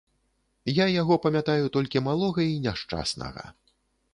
Я яго памятаю толькі малога і няшчаснага.